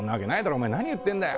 お前、何言ってるんだよ！